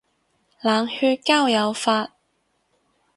冷血交友法